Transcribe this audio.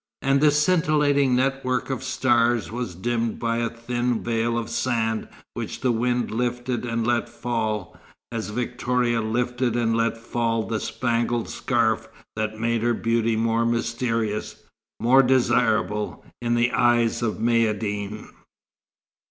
And the scintillating network of stars was dimmed by a thin veil of sand which the wind lifted and let fall, as Victoria lifted and let fall the spangled scarf that made her beauty more mysterious, more desirable, in the eyes of Maïeddine.